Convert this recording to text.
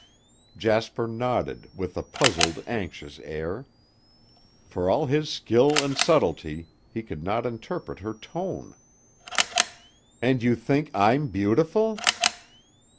Jasper nodded with a puzzled, anxious air. For all his skill and subtlety, he could not interpret her tone. "And you think I'm beautiful?"